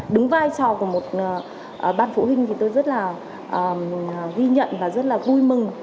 đứng vai trò của một ban phụ huynh tôi rất ghi nhận và vui mừng